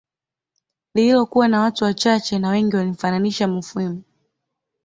Lililokuwa na watu wachache na Wengi walimfananisha Mufwimi